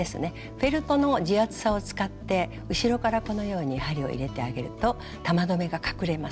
フェルトの地厚さを使って後ろからこのように針を入れてあげると玉留めが隠れます。